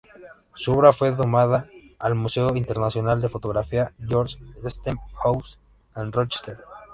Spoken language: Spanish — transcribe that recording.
Su obra fue donada al Museo Internacional de Fotografía George Eastman House, en Rochester.